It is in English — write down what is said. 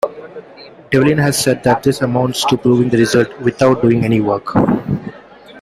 Develin has said that this amounts to proving the result "without doing any work".